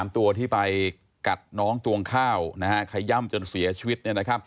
ตัวที่ไปกัดน้องตวงข้าวขย่ำจนเสียชีวิต